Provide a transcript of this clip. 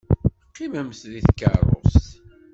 Qqimemt deg tkeṛṛust.